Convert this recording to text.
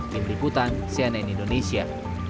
tim liputan cnn indonesia